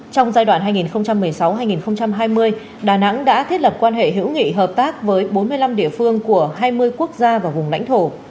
trong giai đoạn hai nghìn một mươi sáu hai nghìn hai mươi đà nẵng đã thiết lập quan hệ hữu nghị hợp tác với bốn mươi năm địa phương của hai mươi quốc gia và vùng lãnh thổ